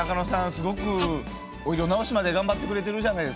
すごくお色直しまで頑張ってくれてるじゃないですか。